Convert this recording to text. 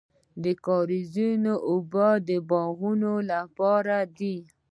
د کاریزونو اوبه د باغونو لپاره دي.